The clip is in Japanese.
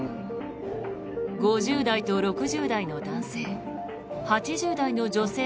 ５０代と６０代の男性